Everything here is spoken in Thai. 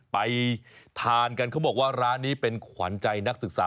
ไปทานกันเขาบอกว่าร้านนี้เป็นขวัญใจนักศึกษา